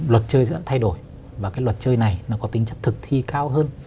luật chơi sẽ thay đổi và cái luật chơi này nó có tính chất thực thi cao hơn